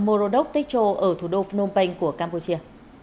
morodok techo ở thủ đô phnom penh của campuchia